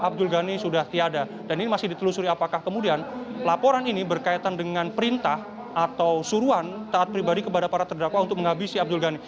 abdul ghani sudah tiada dan ini masih ditelusuri apakah kemudian laporan ini berkaitan dengan perintah atau suruhan taat pribadi kepada para terdakwa untuk menghabisi abdul ghani